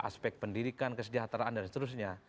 aspek pendidikan kesejahteraan dan seterusnya